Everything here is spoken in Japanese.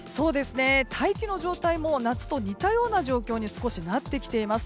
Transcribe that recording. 大気の状態も夏と似たような状況に少しなってきています。